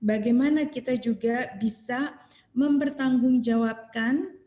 dan bagaimana kita juga bisa mempertanggung jawabannya untuk menjaga kesehatan dan kekuatan kita